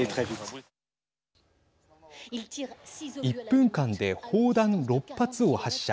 １分間で砲弾６発を発射。